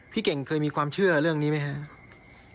พี่เก่งเคยมีความเชื่อเรื่องนี้ไหมครับ